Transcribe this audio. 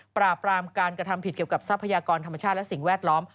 ปราบรามการกระทำผิดเกี่ยวกับทรัพยากรธรรมชาติและสิ่งแวดล้อม